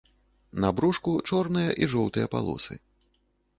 На брушку чорныя і жоўтыя палосы.